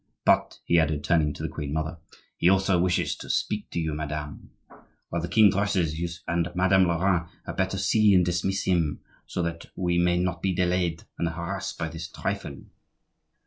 But," he added, turning to the queen mother, "he also wishes to speak to you, madame. While the king dresses, you and Madame la reine had better see and dismiss him, so that we may not be delayed and harassed by this trifle."